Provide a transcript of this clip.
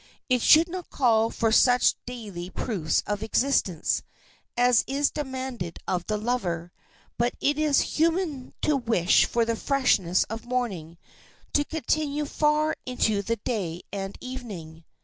It should not call for such daily proofs of existence as is demanded of the lover, but it is human to wish for the freshness of morning to continue far into the day and evening.